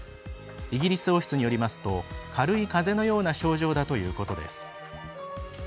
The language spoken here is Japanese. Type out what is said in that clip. イギリス王室によりますと軽いかぜのような症状だということです。